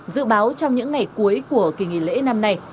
dự báo trong những ngày cuối của kỳ nghỉ lễ năm nay